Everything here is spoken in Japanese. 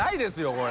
これ。